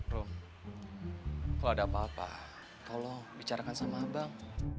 rom kalau ada apa apa tolong bicarakan sama abang